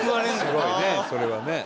すごいねそれはね。